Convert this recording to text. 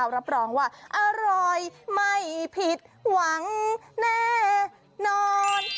รับรองว่าอร่อยไม่ผิดหวังแน่นอน